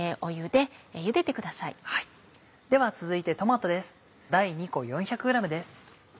では続いてトマトです。